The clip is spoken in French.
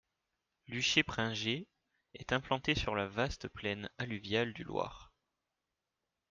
Luché-Pringé est implantée sur la vaste plaine alluviale du Loir.